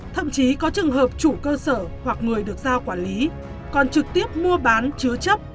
thậm chí có trường hợp chủ cơ sở hoặc người được giao quản lý còn trực tiếp mua bán chứa chấp